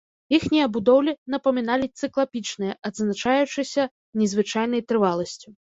Іхнія будоўлі напаміналі цыклапічныя, адзначаючыся незвычайнай трываласцю.